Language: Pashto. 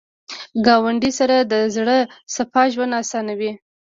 ګاونډي سره د زړه صفا ژوند اسانوي